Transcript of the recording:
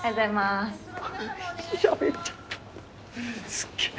すっげえ。